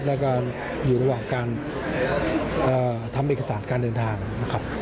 แล้วก็อยู่ระหว่างการทำเอกสารการเดินทางนะครับ